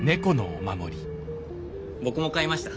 僕も買いました。